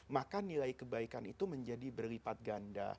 maka nilai kebaikan itu menjadi berlipat ganda